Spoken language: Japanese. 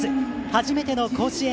初めての甲子園。